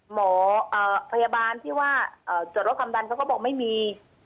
หมอพยาบาลที่ว่าจอดรถความดันเขาก็บอกไม่มี